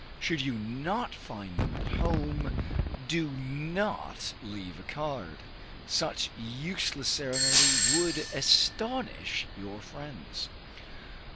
Should you not find them at home, do not leave a card; such useless ceremony would astonish your friends.